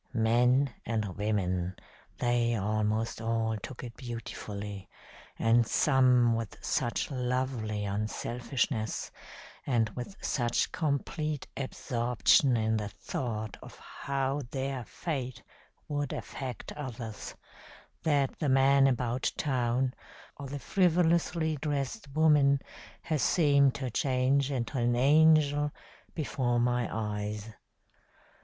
Men and women, they almost all took it beautifully, and some with such lovely unselfishness, and with such complete absorption in the thought of how their fate would affect others, that the man about town, or the frivolously dressed woman has seemed to change into an angel before my eyes.